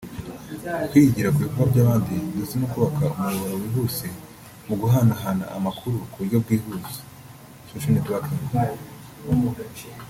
kwigira ku bikorwa by’abandi ndetse no kubaka umuyoboro wihuse wo guhanahana amakuru ku buryo bwihuse (social networking)